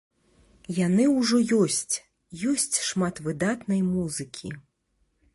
Яны ўжо ёсць, ёсць шмат выдатнай музыкі.